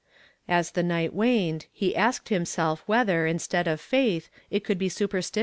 As the night waned, he asked himself whether, instead of faith, it could 1)(! su[)i'rstiti()n.